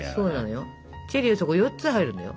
チェリーはそこ４つ入るんだよ。